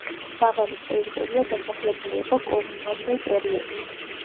სავანის ტერიტორია დასახლებული იყო კოლუმბამდელ პერიოდში.